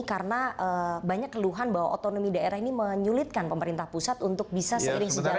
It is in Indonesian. karena banyak keluhan bahwa otonomi daerah ini menyulitkan pemerintah pusat untuk bisa seiring sejarah